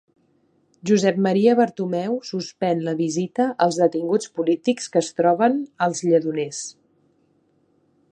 Josep Maria Bartomeu suspèn la visita als detinguts polítics que es troben als Lledoners